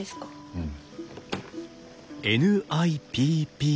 うん。